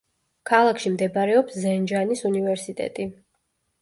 ქალაქში მდებარეობს ზენჯანის უნივერსიტეტი.